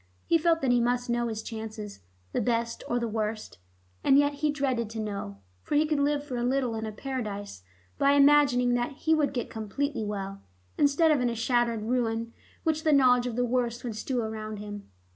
He felt that he must know his chances, the best or the worst ... and yet he dreaded to know, for he could live for a little in a paradise by imagining that he would get completely well, instead of in a shattered ruin which the knowledge of the worst would strew round him.